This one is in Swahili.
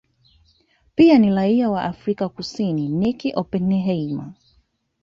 Pia ni raia wa Afrika Kusini Nicky Oppenheimer